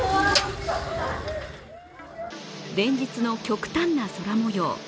連日の極端な空もよう。